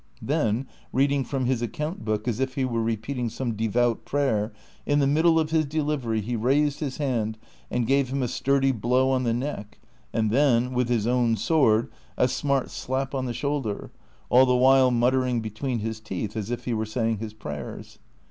Then, reading from his account book as if he were repeating some de vout prayer, in the middle of his delivery he raised his hand and gave him a sturdy blow on the neck, and then, with his own sword, a smart slap on the shoulder, all the while mutter ing between his teeth as if he were saying his prayers.